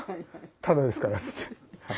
タダですからって。